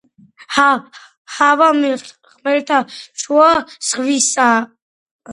ჰავა ხმელთაშუა ზღვისაა.